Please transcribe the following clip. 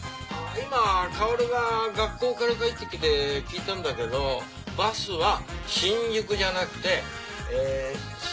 今薫が学校から帰ってきて聞いたんだけどバスは新宿じゃなくてえぇ。